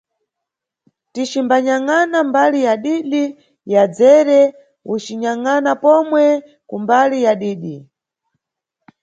Ticimbanyangʼana mbali ya didi, ya dzere ucinyangʼana pomwe kumbali ya didi.